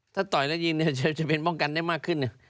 ถ้าต่อยได้ยินเนี่ยจะเป็นป้องกันได้มากขึ้น